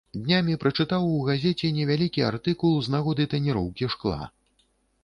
Днямі прачытаў у газеце невялікі артыкул з нагоды таніроўкі шкла.